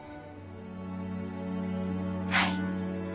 はい。